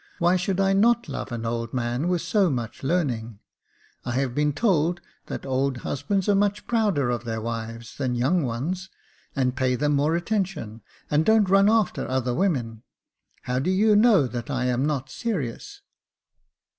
Why should I not love an old man with so much learning ? I have been told that old husbands are much prouder of their wives than young ones, and pay them more attention, and don't run after other women. How do you know that I am not serious